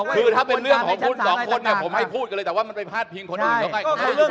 คือถ้าเป็นเรื่องของคุณสองคนเนี่ยผมให้พูดกันเลยแต่ว่ามันไปพาดพิงคนอื่นเขาไม่